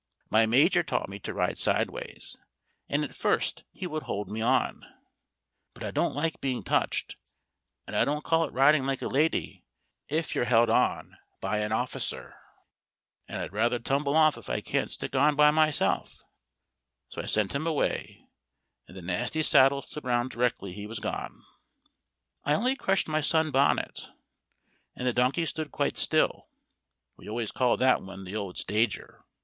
My Major taught me to ride sideways, and at first he would hold me on; But I don't like being touched; and I don't call it riding like a lady if you're held on by an officer, and I'd rather tumble off if I can't stick on by myself; so I sent him away, and the nasty saddle slipped round directly he was gone. I only crushed my sun bonnet, and the donkey stood quite still. (We always call that one "the old stager.")